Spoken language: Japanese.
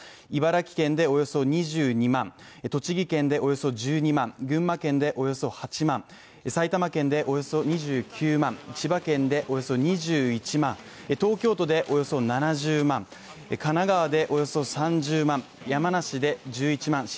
茨城県でおよそ２２万栃木県でおよそ１２万群馬県でおよそ８万埼玉県でおよそ２９万千葉県でおよそ２１万東京都でおよそ７０万神奈川でおよそ３０万、山梨で１１万